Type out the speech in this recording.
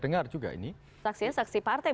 dengar juga ini saksinya saksi partai